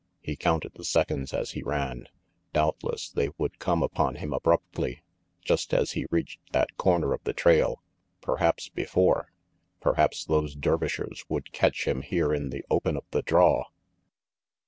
He counted the seconds as he ran. Doubtless they would come upon him abruptly, just as he reached that corner of the trail, perhaps before. Perhaps those Dervishers would catch him here in the open of the draw!